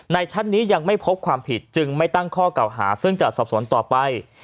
ชั้นนี้ยังไม่พบความผิดจึงไม่ตั้งข้อเก่าหาซึ่งจะสอบสวนต่อไป